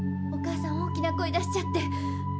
お母さん大きな声出しちゃって。